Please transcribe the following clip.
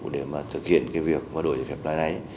để mà thực hiện cái việc mà đổi giấy phép lái